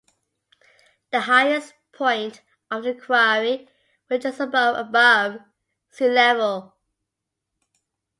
The highest point of the quarry was just above above sea level.